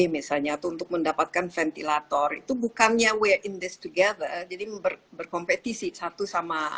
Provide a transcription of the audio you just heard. misalnya untuk mendapatkan ventilator itu bukannya ware in this together jadi berkompetisi satu sama